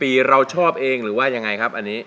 ปีเราชอบเองหรือว่ายังไงครับอันนี้